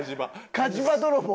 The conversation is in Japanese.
火事場泥棒。